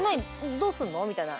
どうすんの？みたいな。